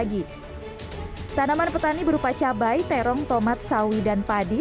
serangga purana smeg passage use rom lima ao dua weeks and